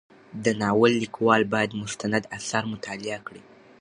د ناول لیکوال باید مستند اثار مطالعه کړي.